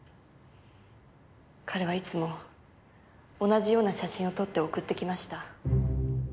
彼はいつも同じような写真を撮って送ってきました。